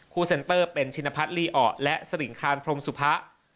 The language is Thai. เซ็นเตอร์เป็นชินพัฒนลีอ่อและสริงคารพรมสุพะ